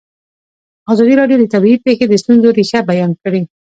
ازادي راډیو د طبیعي پېښې د ستونزو رېښه بیان کړې.